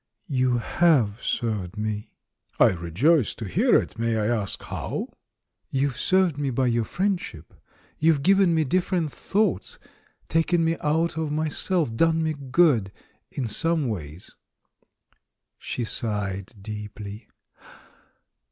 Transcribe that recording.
"You have served me." "I rejoice to hear it. May I ask how?" "You've served me by your friendship. You've given me different thoughts, taken me out of myself, done me good — in some ways." She sighed deeply.